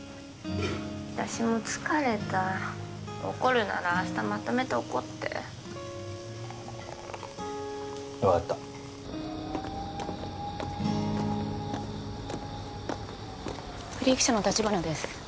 私も疲れた怒るなら明日まとめて怒って分かったフリー記者の橘です